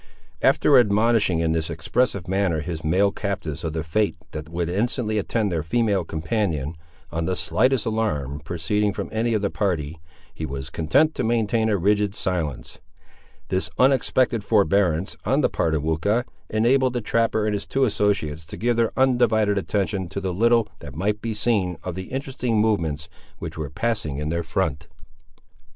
After admonishing in this expressive manner his male captives of the fate that would instantly attend their female companion, on the slightest alarm proceeding from any of the party, he was content to maintain a rigid silence. This unexpected forbearance, on the part of Weucha, enabled the trapper and his two associates to give their undivided attention to the little that might be seen of the interesting movements which were passing in their front.